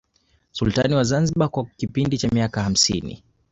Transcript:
Sultani wa Zanzibar kwa kipindi cha miaka hamsini